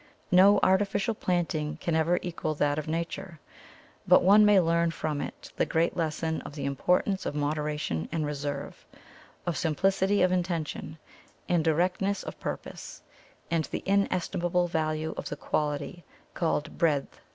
No artificial planting can ever equal that of Nature, but one may learn from it the great lesson of the importance of moderation and reserve, of simplicity of intention, and directness of purpose, and the inestimable value of the quality called "breadth" in painting.